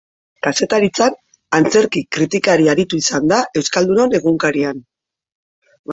Kazetaritzan antzerki kritikari aritu izan da Euskaldunon Egunkarian.